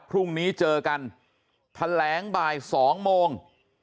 พรุ่งนี้เจอกันแถลงบ่าย๒โมง